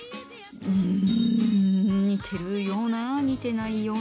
うん似てるような似てないような。